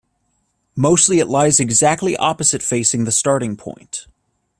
Mostly it lies exactly opposite facing the starting point.